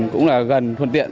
cũng là gần thuận tiện